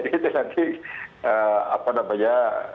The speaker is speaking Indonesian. jadi nanti apa namanya